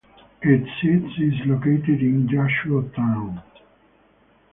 Its seat is located in Yangshuo Town.